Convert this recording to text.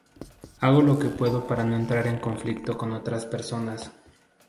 hago lo que puedo para no entrar en conflicto con otras personas